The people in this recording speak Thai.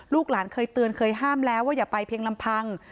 หลานเคยเตือนเคยห้ามแล้วว่าอย่าไปเพียงลำพัง